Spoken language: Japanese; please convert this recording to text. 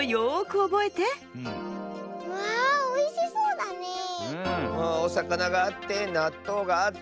おさかながあってなっとうがあって。